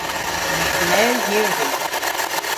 Yma blew hir dhywgh.